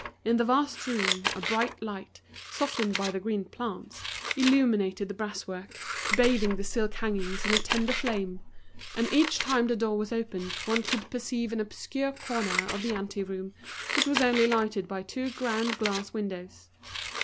In the vast room, a bright light, softened by the green plants, illuminated the brass work, bathing the silk hangings in a tender flame; and each time the door was opened one could perceive an obscure corner of the ante room, which was only lighted by two ground glass windows.